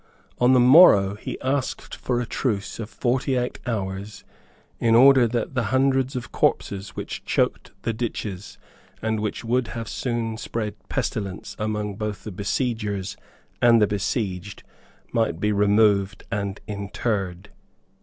On the morrow he asked for a truce of forty eight hours in order that the hundreds of corpses which choked the ditches and which would soon have spread pestilence among both the besiegers and the besieged might be removed and interred.